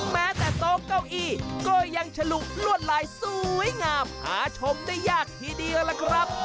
แม้แต่โต๊ะเก้าอี้ก็ยังฉลุลวดลายสวยงามหาชมได้ยากทีเดียวล่ะครับ